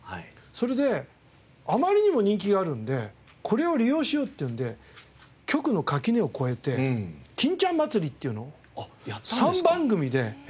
それであまりにも人気があるのでこれを利用しようっていうので局の垣根を超えて『欽ちゃん祭り』っていうのを３番組で。